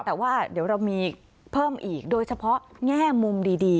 แต่ว่าเดี๋ยวเรามีเพิ่มอีกโดยเฉพาะแง่มุมดี